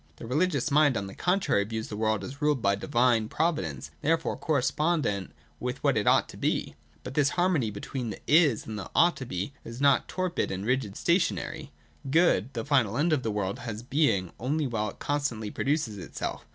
The religious mind, on the contrary, views the world as ruled by Divine Providence, and therefore correspondent with what it ought to be. But this harmony between the ' is ' and the 'ought to be' is not torpid and rigidly stationary. Good, the final end of the world, has being, only while it constantly produces itself.